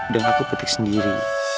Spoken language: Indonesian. dan aku petik sendiri